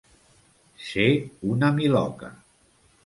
Ser una miloca.